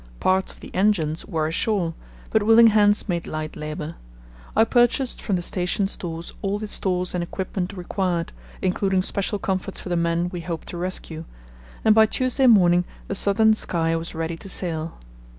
Parts of the engines were ashore, but willing hands made light labour. I purchased from the station stores all the stores and equipment required, including special comforts for the men we hoped to rescue, and by Tuesday morning the Southern Sky was ready to sail.